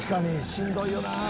しんどいよな」